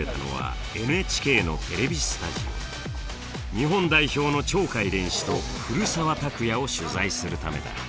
日本代表の鳥海連志と古澤拓也を取材するためだ。